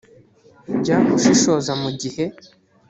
jya ushishoza mu gihe